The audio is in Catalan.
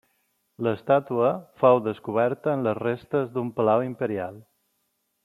L'estàtua fou descoberta en les restes d'un palau imperial.